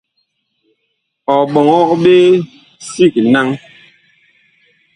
Ɔ ɓɔŋɔg ɓe sig naŋ.